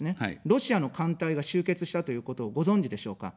ロシアの艦隊が集結したということをご存じでしょうか。